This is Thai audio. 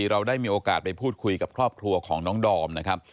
เราได้มีโอกาสไปพูดคุยกับครอบครัวของน้องดอมนะครับ